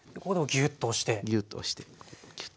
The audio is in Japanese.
ギューッと押してギュッと押して。